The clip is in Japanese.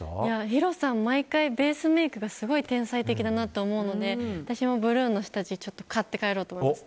ヒロさん、毎回ベースメイクがすごい天才的だなと思うので私もブルーの下地買って帰ろうと思います。